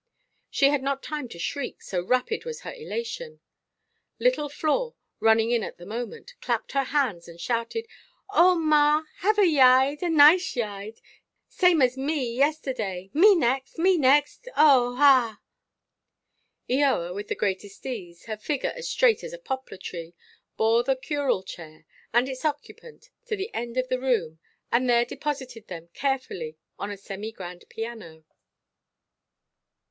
She had not time to shriek, so rapid was her elation. Little Flore, running in at the moment, clapped her hands and shouted, "Oh, ma, have a yide, a nice yide, same as me have yesterday. Me next, me next. Oh, ah!" Eoa, with the greatest ease, her figure as straight as a poplar–tree, bore the curule chair and its occupant to the end of the room, and there deposited them carefully on a semi–grand piano.